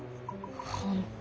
本当。